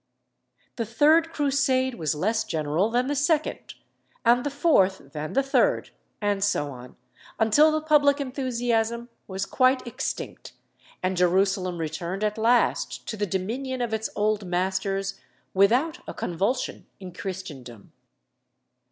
The third Crusade was less general than the second, and the fourth than the third, and so on, until the public enthusiasm was quite extinct, and Jerusalem returned at last to the dominion of its old masters without a convulsion in Christendom.